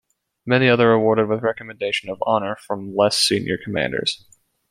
Many other awarded with recommendation of honor from less senior commanders.